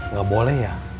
nggak boleh ya